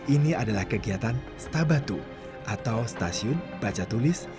ini adalah kegiatan stabatu atau stasiun baca tulis